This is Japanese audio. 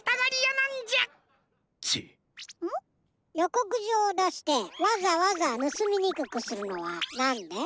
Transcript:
こくじょうをだしてわざわざぬすみにくくするのはなんで？